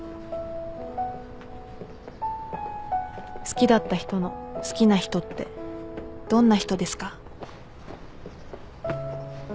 好きだった人の好きな人ってどんな人ですか？